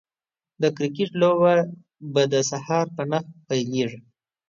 د کرکټ لوبه به د سهار په نهه پيليږي